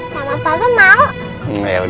sama papa mau ya udah yuk ya pak